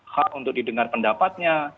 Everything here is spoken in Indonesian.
hak untuk didengar pendapatnya